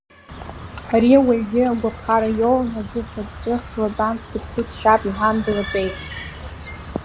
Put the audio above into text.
Ари ауаҩгьы агәаԥхара иоун, аӡыхь аҿы слатәан сыԥсысшьап иҳәан длатәеит.